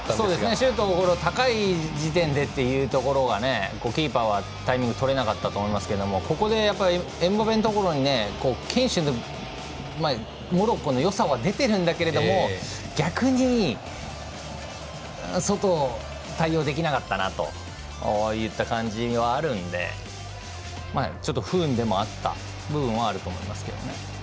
シュート高い時点でというところがキーパーはタイミングとれなかったと思いますけどここで、エムバペのところに堅守でモロッコのよさは出てるんだけれども逆に外、対応できなかったといった感じはあるんでちょっと不運でもあった部分はあると思いますけどね。